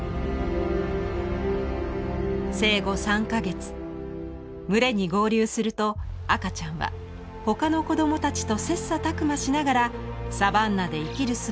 生後３か月群れに合流すると赤ちゃんは他の子供たちと切磋琢磨しながらサバンナで生きる術を学びます。